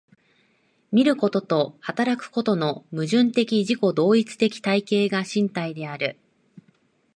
見ることと働くこととの矛盾的自己同一的体系が身体である。